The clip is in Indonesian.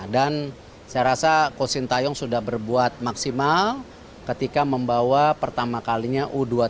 dan saya rasa kotsin tayong sudah berbuat maksimal ketika membawa pertama kalinya u dua puluh tiga